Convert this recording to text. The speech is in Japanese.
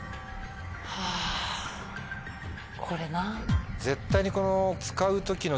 はぁこれな。